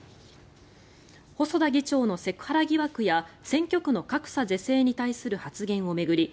細田議長のセクハラ疑惑や選挙区の格差是正に対する発言を巡り